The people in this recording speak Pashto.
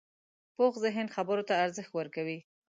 پوخ ذهن خبرو ته ارزښت ورکوي